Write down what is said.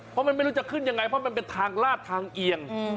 เพราะมันไม่รู้จะขึ้นยังไงเพราะมันเป็นทางลาดทางเอียง